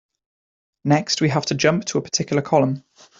Next, we have to jump to a particular column.